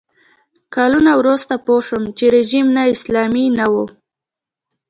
کلونه وروسته پوه شوم چې رژیم نا اسلامي نه و.